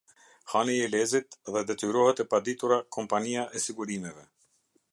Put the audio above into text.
Hani i Elezit dhe Detyrohet e paditura Kompania e Sigurimeve.